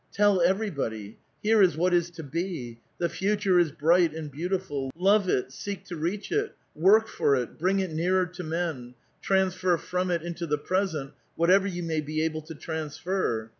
Tell evei ybody. Here is what is to be ! The future is bright and beautiful. Love it! seek to reach it! work for it ! bring it nearer to men ! transfer from it into the present whatever you may be able to transfer.